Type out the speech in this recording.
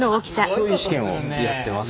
そういう試験をやってます。